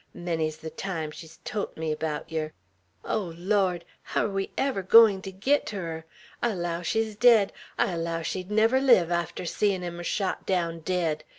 Menny's ther time she's tolt me about yer! Oh, Lawd! How air we ever goin' to git ter her? I allow she's dead! I allow she'd never live arter seein' him shot down dead!